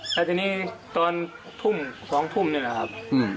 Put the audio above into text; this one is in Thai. แต่ทีนี้ตอนทุ่มสองทุ่มเนี่ยนะครับ